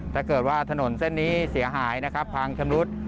ถ้าเกิดว่าถนนเส้นนี้เสียหายนะครับพังชำรุด